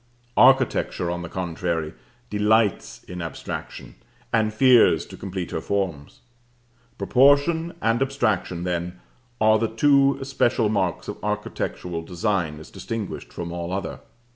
Architecture, on the contrary, delights in Abstraction and fears to complete her forms. Proportion and Abstraction, then, are the two especial marks of architectural design as distinguished from all other.